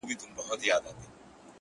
څنگه به هغه له ياده وباسم”